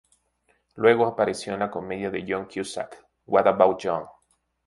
Luego apareció en la comedia de Joan Cusack "What About Joan?".